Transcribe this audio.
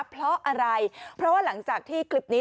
เพราะอะไรเพราะว่าหลังจากที่คลิปนี้